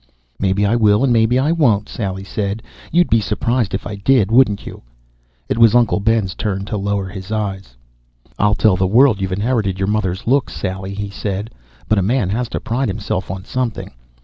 "Maybe I will and maybe I won't," Sally said. "You'd be surprised if I did, wouldn't you?" It was Uncle Ben's turn to lower his eyes. "I'll tell the world you've inherited your mother's looks, Sally," he said. "But a man has to pride himself on something.